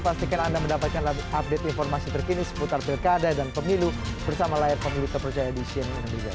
pastikan anda mendapatkan update informasi terkini seputar pilkada dan pemilu bersama layar pemilu terpercaya di cnn indonesia